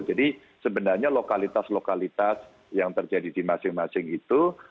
jadi sebenarnya lokalitas lokalitas yang terjadi di masing masing itu